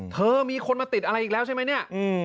เธอมีคนมาติดอะไรอีกแล้วใช่ไหมเนี่ย